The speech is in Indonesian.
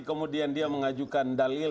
kemudian dia mengajukan dalil